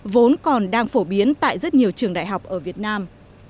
vốn còn đang phổ biến tại rất nhiều trường đại học ở việt nam